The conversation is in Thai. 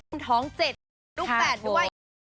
อุ่นท้องเจ็ดลูกแฝดด้วย